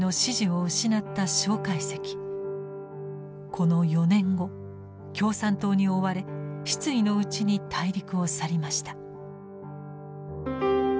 この４年後共産党に追われ失意のうちに大陸を去りました。